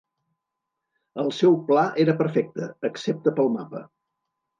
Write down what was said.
El seu pla era perfecte, excepte pel mapa.